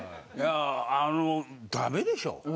いや、あの駄目でしょ。